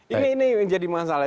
ini yang jadi masalah